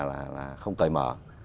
và là không cởi mở